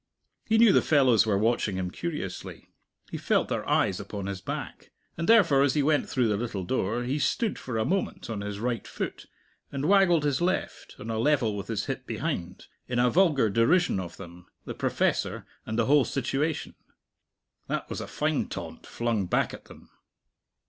He knew the fellows were watching him curiously he felt their eyes upon his back. And, therefore, as he went through the little door, he stood for a moment on his right foot, and waggled his left, on a level with his hip behind, in a vulgar derision of them, the professor, and the whole situation. That was a fine taunt flung back at them!